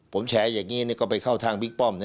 ผมแฉอย่างนี้ก็ไปเข้าทางบิ๊กป้อม